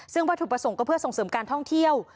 ซึ่งวัตถุประสงค์ก็เพื่อส่งเสริมการท่องเที่ยว